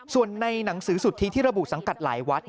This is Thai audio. ส่วนในหนังสือสุทธิที่ระบุสังกัดหลายวัด